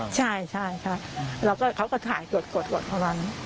ใช่ใช่แล้วเขาก็ถ่ายกดกดเรื่อยนั้น